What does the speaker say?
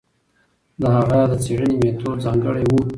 د هغه د څېړني میتود ځانګړی و.